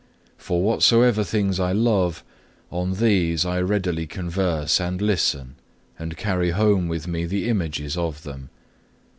For whatsoever things I love, on these I readily converse and listen, and carry home with me the images of them.